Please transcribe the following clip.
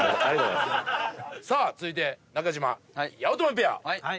続いて中島・八乙女ペア。